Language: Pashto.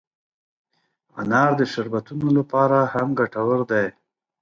انار د شربتونو لپاره هم ګټور دی.